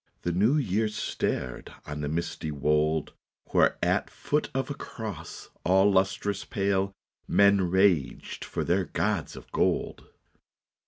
" The New Year stared on the misty wold, Where at foot of a cross all lustrous pale Men raged for their gods of gold.